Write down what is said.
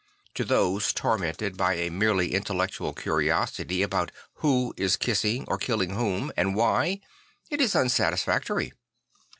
To those tormented by a merely intellectual curiosity about \vho is kissing or killing whom, and why, it is unsatisfactory.